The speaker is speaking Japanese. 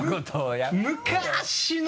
昔の！